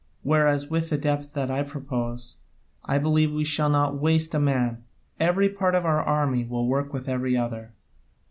Whereas with the depth that I propose, I believe we shall not waste a man: every part of our army will work with every other.